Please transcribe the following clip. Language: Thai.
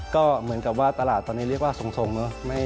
ก็เหมือนกับว่าตลาดตอนนี้เรียกว่าทรงเนอะ